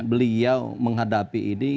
beliau menghadapi ini